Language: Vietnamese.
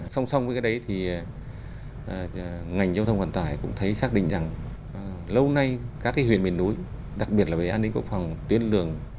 song song với cái đấy thì ngành giao thông vận tải cũng thấy xác định rằng lâu nay các cái huyện miền núi đặc biệt là về an ninh quốc phòng tuyến đường